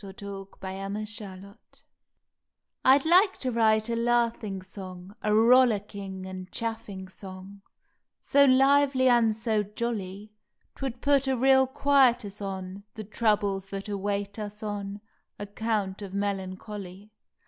May Eleventh THE LAUGHING SONG T D like to write a laughing song, A rollicking and chaffing song, So lively and so jolly Twould put a real quietus on The troubles that await us on Account of melancholy.